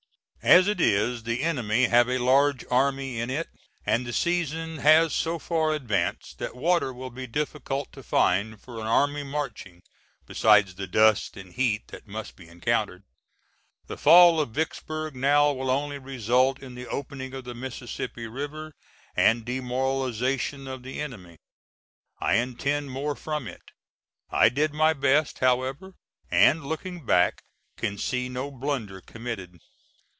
As it is, the enemy have a large army in it, and the season has so far advanced that water will be difficult to find for an army marching, besides the dust and heat that must be encountered. The fall of Vicksburg now will only result in the opening of the Mississippi River and demoralization of the enemy. I intended more from it. I did my best, however, and looking back can see no blunder committed.